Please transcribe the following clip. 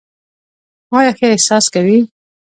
آیا ښه احساس کوې؟